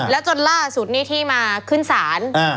แล้วจนล่าสุดนี้ที่มาขึ้นศาล